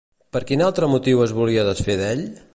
Per quin altre motiu es volia desfer d'ell?